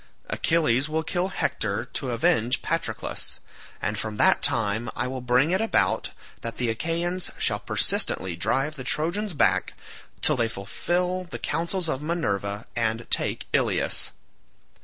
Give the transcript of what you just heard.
Achilles will kill Hector to avenge Patroclus, and from that time I will bring it about that the Achaeans shall persistently drive the Trojans back till they fulfil the counsels of Minerva and take Ilius.